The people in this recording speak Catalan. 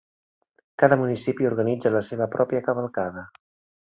Cada municipi organitza la seva pròpia cavalcada.